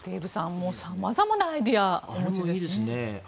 もう様々なアイデアをお持ちですね。